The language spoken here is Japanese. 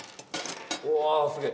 うわすげえ！